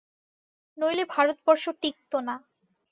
নইলে ভারতবর্ষ টিঁকত না।